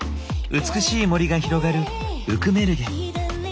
美しい森が広がるウクメルゲ。